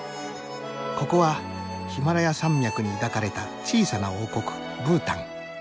ここはヒマラヤ山脈に抱かれた小さな王国ブータン。